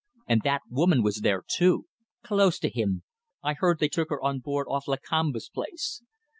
And that woman was there too. Close to him. I heard they took her on board off Lakamba's place.